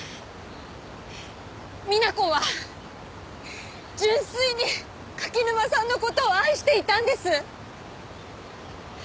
みな子は純粋に柿沼さんの事を愛していたんです。